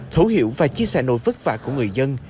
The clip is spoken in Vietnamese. thấu hiểu và chia sẻ nỗi vất vả của người dân